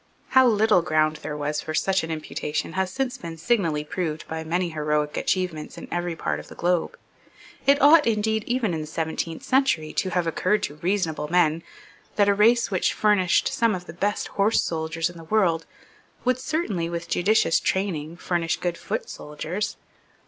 How little ground there was for such an imputation has since been signally proved by many heroic achievements in every part of the globe. It ought, indeed, even in the seventeenth century, to have occurred to reasonable men, that a race which furnished some of the best horse soldiers in the world would certainly, with judicious training, furnish good foot soldiers.